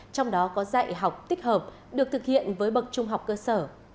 trong đó có dạy học tích hợp được thực hiện với bậc trung học cơ sở